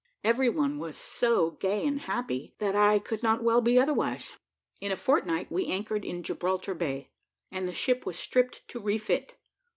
Every one, too, was so gay and happy, that I could not well be otherwise. In a fortnight, we anchored in Gibraltar Bay, and the ship was stripped to refit.